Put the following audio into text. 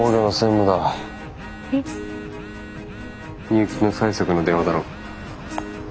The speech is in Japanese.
入金の催促の電話だろう。